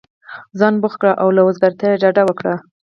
ځان بوخت كړه او له وزګارتیا ډډه وكره!